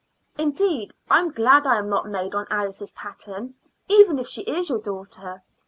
Indeed, I'm glad I'm not made on Alice's pattern, even if she is your daughter.